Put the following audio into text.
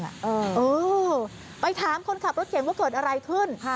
เออไปถามคนขับรถเก่งว่าเกิดอะไรขึ้น